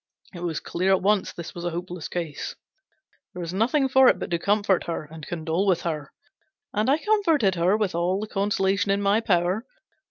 It was clear at once this was a hopeless case. There was nothing for it but to comfort her and condole with her. And I comforted her with all the consolation in my power.